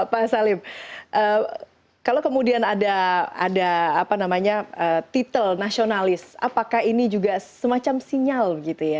pak salib kalau kemudian ada titel nasionalis apakah ini juga semacam sinyal gitu ya